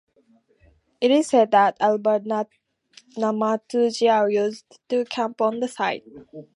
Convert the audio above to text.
It is said that Albert Namatjira used to camp on the site.